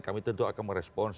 kami tentu akan merespons